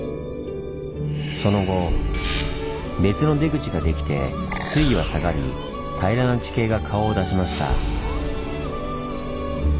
その後別の出口ができて水位は下がり平らな地形が顔を出しました。